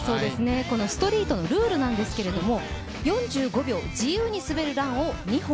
このストリートのルールなんですけども、４５秒、自由に滑るランを２本。